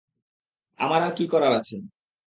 আমার আর কী করার আছে?